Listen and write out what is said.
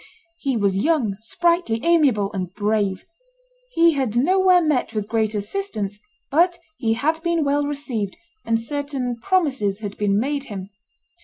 He was young, sprightly, amiable, and brave; he had nowhere met with great assistance, but he had been well received, and certain promises had been made him.